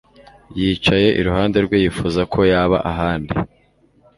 yicaye iruhande rwe yifuza ko yaba ahandi